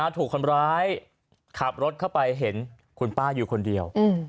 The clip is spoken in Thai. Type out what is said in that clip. ถูกคนร้ายขับรถเข้าไปเห็นคุณป้าอยู่คนเดียว